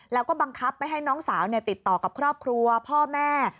แล้วก็บังคับไม่ให้น้องสาวติดต่อกับครอบครัวพ่อแม่